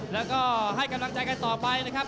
แล้วก็ให้กำลังใจกันต่อไปนะครับ